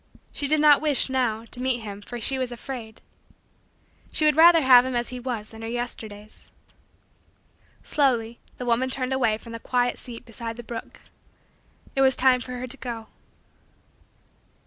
She did not wish, now, to meet him for she was afraid. She would rather have him as he was in her Yesterdays. Slowly the woman turned away from the quiet seat beside the brook. It was time for her to go.